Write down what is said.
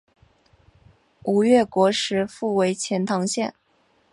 吴越国时复为钱唐县。